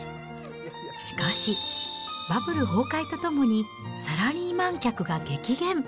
しかし、バブル崩壊とともにサラリーマン客が激減。